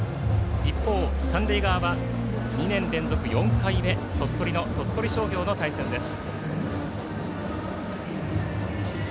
一方、三塁側は２年連続４回目鳥取の鳥取商業の対戦です。